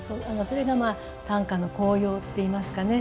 それが短歌の効用っていいますかね